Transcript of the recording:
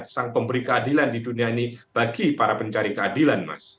sang pemberi keadilan di dunia ini bagi para pencari keadilan mas